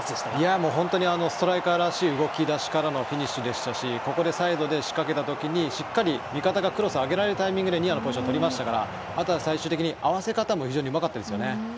もう本当にストライカーらしい動き出しからのフィニッシュでしたしここでサイドで仕掛けたときにしっかり味方がクロスを上げられるタイミングでニアのポジションを取りましたから。